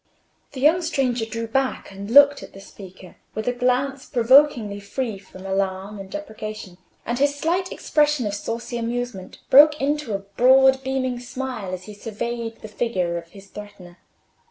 The young stranger drew back and looked at the speaker with a glance provokingly free from alarm and deprecation, and his slight expression of saucy amusement broke into a broad beaming smile as he surveyed the figure of his threatenor.